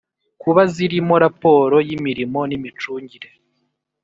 Kuba zirimo raporo y imirimo n imicungire